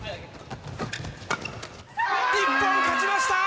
日本、勝ちました。